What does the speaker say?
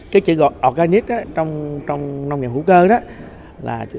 cái chữ organic trong nông nghiệp hữu cơ